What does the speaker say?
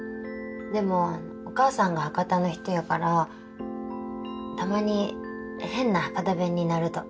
でもお母さんが博多の人やからたまに変な博多弁になると。